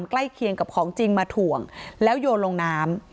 ใกล้เคียงกับของจริงมาถ่วงแล้วโยนลงน้ำ